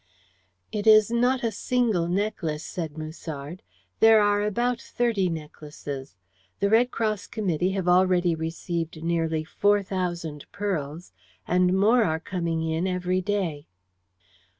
"It is not a single necklace," said Musard. "There are about thirty necklaces. The Red Cross committee have already received nearly 4,000 pearls, and more are coming in every day."